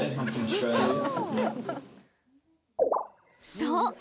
そう！